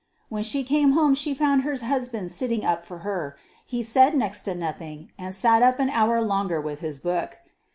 When she came home she found her husband sitting up for her. He said next to nothing, and sat up an hour longer with his book.